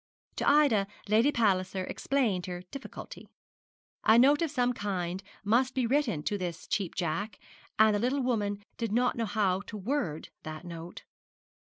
To Ida, Lady Palliser explained her difficulty. A note of some kind must be written to this Cheap Jack; and the little woman did not know how to word that note.